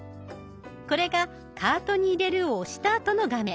これが「カートに入れる」を押したあとの画面。